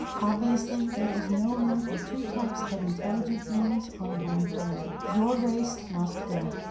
Obviously, there is no room for two types of intelligent beings on one planet your race must go!